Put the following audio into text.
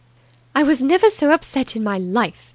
"I was never so upset in my life!"